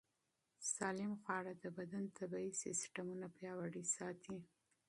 سالم خواړه د بدن طبیعي سیستمونه پیاوړي ساتي.